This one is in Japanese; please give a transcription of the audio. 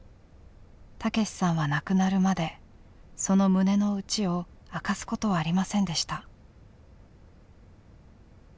健さんは亡くなるまでその胸の内を明かすことはありませんでした。